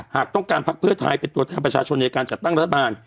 หากต้องการพักเพื่อไทยเป็นตัวแทนประชาชนในการจัดตั้งรัฐบาล